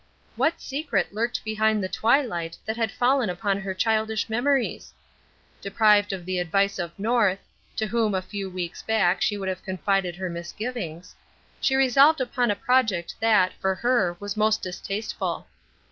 What secret lurked behind the twilight that had fallen upon her childish memories? Deprived of the advice of North to whom, a few weeks back, she would have confided her misgivings she resolved upon a project that, for her, was most distasteful.